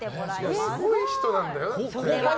すごい人なんだよ？